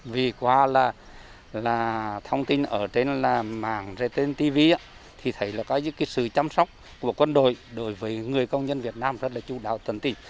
vì qua là thông tin ở trên mạng trên tv thì thấy là có những sự chăm sóc của quân đội đối với người công nhân việt nam rất là chú đạo tấn tình